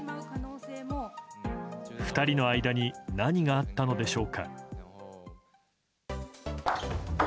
２人の間に何があったのでしょうか。